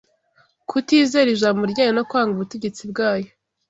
kutizera ijambo ryayo no kwanga ubutegetsi bwayo,